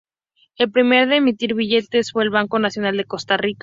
El primero en emitir billetes fue el Banco Nacional de Costa Rica.